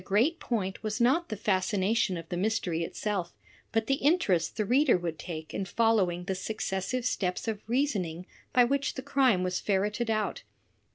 greatjoint was^nqt jhe fascination_of_Uie myste ry itself but , v' the interest the reader would take in following the successive I h'^ steps of reasoning by which the crime was ferreted out.